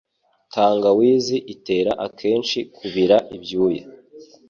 tangawizi itera akenshi kubira ibyuya